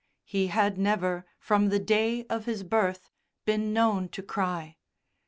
He had never, from the day of his birth, been known to cry.